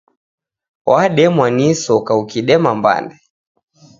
Wademwa ni isoka ukidema mbande.